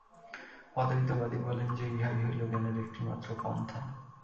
অদ্বৈতবাদী বলেন যে, ইহাই হইল জ্ঞানের একটিমাত্র পন্থা।